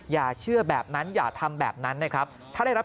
อย่าเชื่อแบบนั้นอย่าทำแบบนั้นนะครับ